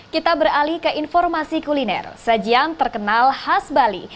kita beralih ke informasi kuliner sajian terkenal khas bali